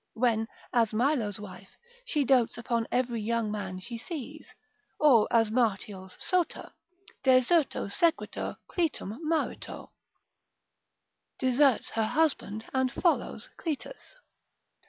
when, as Milo's wife, she dotes upon every young man she sees, or, as Martial's Sota,—deserto sequitur Clitum marito, deserts her husband and follows Clitus.